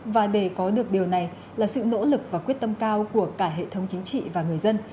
và để có được điều này là sự nỗ lực và quyết tâm cao của cả hệ thống chính trị và người dân